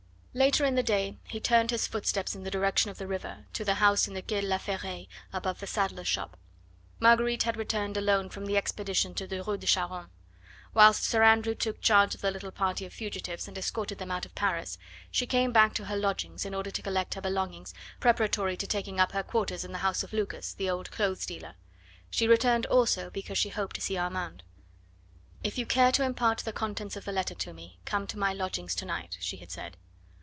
Later in the day he turned his footsteps in the direction of the river, to the house in the Quai de la Ferraille above the saddler's shop. Marguerite had returned alone from the expedition to the Rue de Charonne. Whilst Sir Andrew took charge of the little party of fugitives and escorted them out of Paris, she came back to her lodgings in order to collect her belongings, preparatory to taking up her quarters in the house of Lucas, the old clothes dealer. She returned also because she hoped to see Armand. "If you care to impart the contents of the letter to me, come to my lodgings to night," she had said.